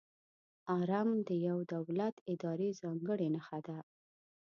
آرم د یو دولت، ادارې ځانګړې نښه ده.